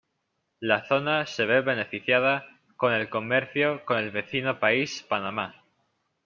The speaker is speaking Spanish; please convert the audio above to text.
La zona se ve beneficiada con el comercio con el vecino país Panamá.